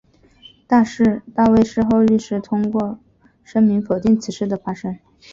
大卫事后透过律师声明否定此事的发生。